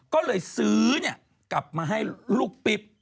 ก็เลยซื้อกลับมาให้ลูกปิ๊บ